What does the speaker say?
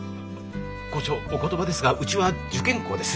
校長お言葉ですがうちは受験校です。